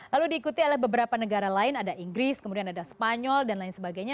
lalu diikuti oleh beberapa negara lain ada inggris kemudian ada spanyol dan lain sebagainya